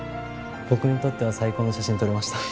僕にとっては最高の写真撮れました。